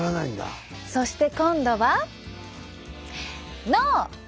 そして今度は脳！